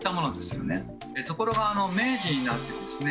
ところが明治になってですね